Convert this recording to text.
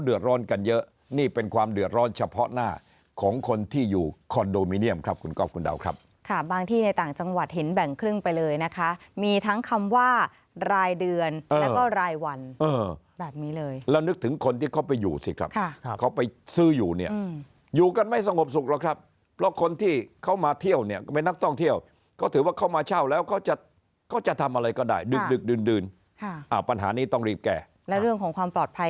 เดือดร้อนเฉพาะหน้าของคนที่อยู่คอนโดมิเนียมครับคุณก๊อบคุณดาวครับค่ะบางที่ในต่างจังหวัดเห็นแบ่งครึ่งไปเลยนะคะมีทั้งคำว่ารายเดือนแล้วก็รายวันแบบนี้เลยแล้วนึกถึงคนที่เขาไปอยู่สิครับเขาไปซื้ออยู่เนี่ยอยู่กันไม่สงบสุขหรอกครับเพราะคนที่เขามาเที่ยวเนี่ยเป็นนักต้องเที่ยวก็ถือว่าเข้ามาเช่าแล้วเขา